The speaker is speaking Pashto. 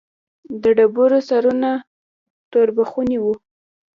د ډبرو سرونه توربخوني وو.